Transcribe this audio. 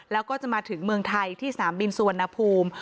แล้วก็จะมาถึงเมืองไทยที่สนามบินสุวรรณภูมิ